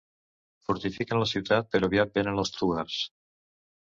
Fortifiquen la ciutat, però aviat venen els Tugars.